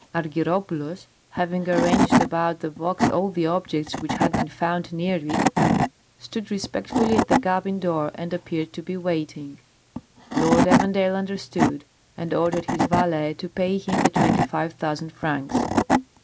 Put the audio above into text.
Argyropoulos, having arranged about the box all the objects which had been found near it, stood respectfully at the cabin door and appeared to be waiting. Lord Evandale understood, and ordered his valet to pay him the twenty five thousand francs.